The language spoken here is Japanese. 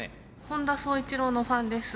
本田宗一郎のファンです。